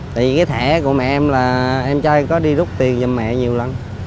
tại vì cái thẻ của mẹ em là em trai có đi rút tiền cho mẹ nhiều lần